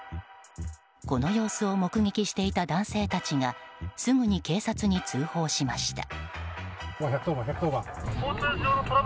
この様子を目撃していた男性たちがすぐに警察に通報しました。